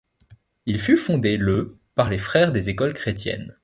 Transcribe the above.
Il fut fondé le par les frères des écoles chrétiennes.